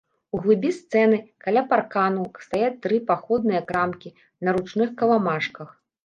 У глыбі сцэны, каля паркану, стаяць тры паходныя крамкі на ручных каламажках.